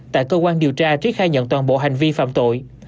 tại cơ quan điều tra trí khai nhận toàn bộ hành vi phạm tội